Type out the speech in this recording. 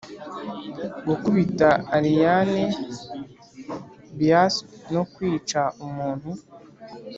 gukubita allayne bias no kwica umuntu.